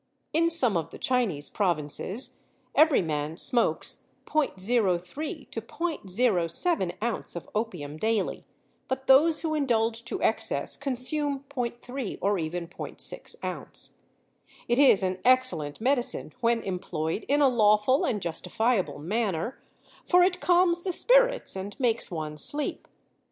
In some of the Chinese provinces every man smokes ·03 to ·07 ounce of opium daily, but those who indulge to excess consume ·3 or even ·6 ounce. It is an excellent medicine when employed in a lawful and justifiable manner, for it calms the spirits and makes one sleep.